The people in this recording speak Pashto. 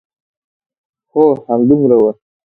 هو، همدومره و.